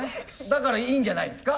だからいいんじゃないですか？